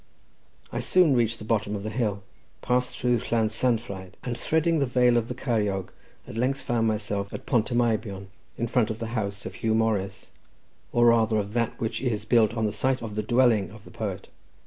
I soon reached the bottom of the hill, passed through Llansanfraid, and threading the vale of the Ceiriog, at length found myself at Pont y Meibion, in front of the house of Huw Morris, or rather of that which is built on the site of the dwelling of the poet.